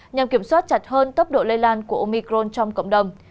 nhằm kiểm soát chặt hơn tốc độ lây lan của omicron trong cộng đồng